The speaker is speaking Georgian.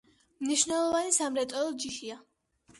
მნიშვნელოვანი სამრეწველო ჯიშია.